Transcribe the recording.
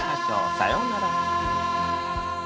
さようなら。